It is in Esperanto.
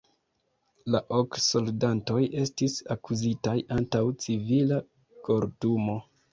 La ok soldatoj estis akuzitaj antaŭ civila kortumo.